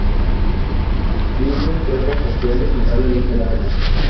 Exhiben cerdas faciales notablemente largas.